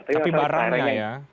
tapi barangnya ya